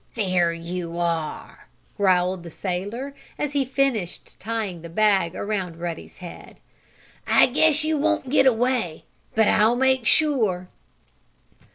"There you are!" growled the sailor, as he finished tying the bag around Ruddy's head. "I guess you won't get away! But I'll make sure!"